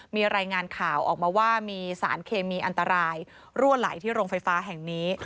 มีรายงานข่าวออกมาว่ามีสารเคมีอันตรายรั่วไหลที่โรงไฟฟ้าแห่งนี้